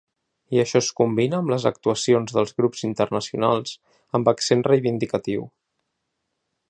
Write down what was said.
I això es combina amb les actuacions dels grups internacionals amb accent reivindicatiu.